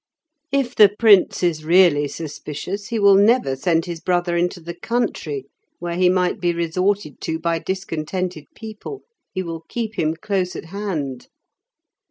"If the Prince is really suspicious, he will never send his brother into the country, where he might be resorted to by discontented people. He will keep him close at hand."